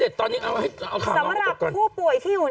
กล้องกว้างอย่างเดียว